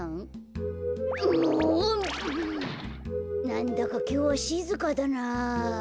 なんだかきょうはしずかだなあ。